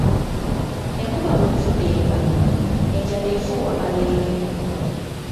Enkuba bw’efudemba, enjala efuuwa malenge.